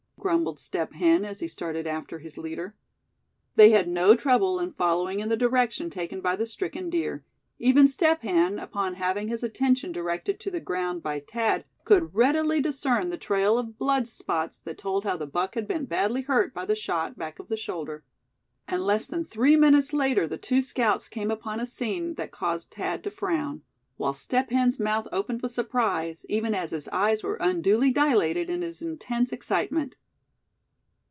grumbled Step Hen, as he started after his leader. They had no trouble in following in the direction taken by the stricken deer; even Step Hen, upon having his attention directed to the ground by Thad, could readily discern the trail of blood spots that told how the buck had been badly hurt by the shot back of the shoulder. And less than three minutes later the two scouts came upon a scene that caused Thad to frown; while Step Hen's mouth opened with surprise, even as his eyes were unduly dilated in his intense excitement.